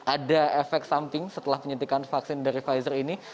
ada efek samping setelah penyuntikan vaksin dari pfizer ini